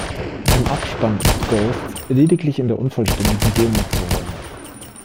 Im Abspann ist "Ghosts" lediglich in der unvollständigen Demo zu hören.